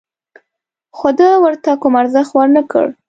خو ده ورته کوم ارزښت ور نه کړ.